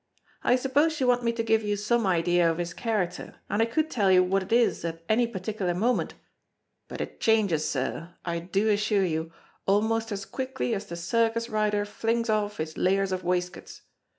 I suppose you want me to give you some idea of his character, and I could tell you what it is at any particular moment; but it changes, sir, I do assure you, almost as quickly as the circus rider flings off his layers of waistcoats.